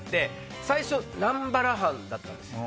最初南原班だったんですよ。